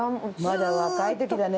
まだ若いときだね。